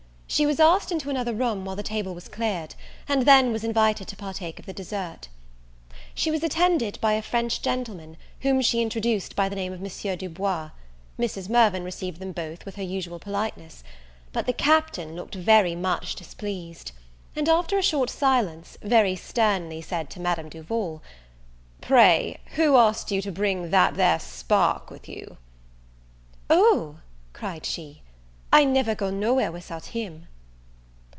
She was asked into another room while the table was cleared, and then was invited to partake of the dessert. She was attended by a French gentleman, whom she introduced by the name of Monsieur Du Bois: Mrs. Mirvan received them both with her usual politeness; but the Captain looked very much displeased; and after a short silence, very sternly said to Madame Duval, "Pray who asked you to bring that there spark with you?" "O," cried she, "I never go no where without him."